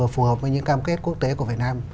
phù hợp với những cam kết quốc tế của việt nam